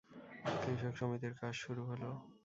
কৃষক সমিতির কাজ শুরু হলো।